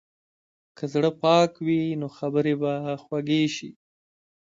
که زړه پاک وي، نو خبرې به خوږې شي.